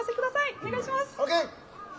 お願いします！ＯＫ！